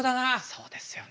そうですよね。